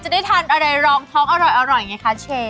จะได้ทานอะไรรองทอลกอร่อยนี่ไงคะเช